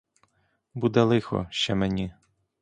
Буде лихо ще мені!